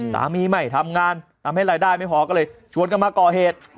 สามีไม่ทำงานทำให้รายได้ไม่พอก็เลยชวนกันมาก่อเหตุ